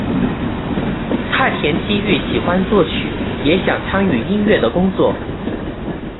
太田基裕喜欢作曲，也想参与音乐的工作。